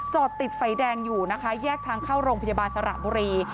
จอดติดไฟแดงอยู่นะคะแยกทางเข้าโรงพยาบาลสระบุรี